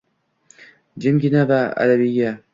Jimgina va abadiyga